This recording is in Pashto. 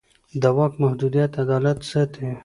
د واک محدودیت عدالت ساتي